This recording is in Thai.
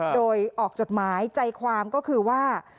โดยออกจดหมายใจความก็คือว่า